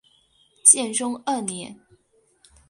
建中二年。